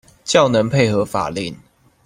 較能配合法令